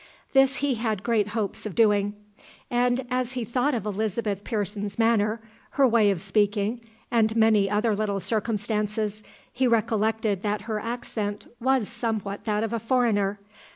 This he had great hopes of doing. And as he thought of Elizabeth Pearson's manner, her way of speaking, and many other little circumstances, he recollected that her accent was somewhat that of a foreigner.